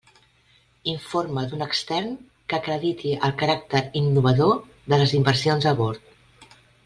Informe d'un extern que acrediti el caràcter innovador de les inversions a bord.